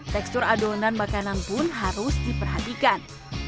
tekstur adonan makanan pun harus diperhatikan